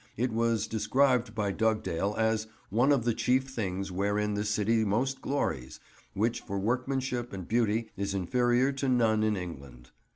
It was described by Dugdale as "one of the chief things wherein this city most glories, which for workmanship and beauty is inferior to none in England."